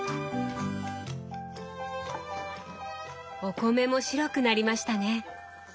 お米も白くなりましたね。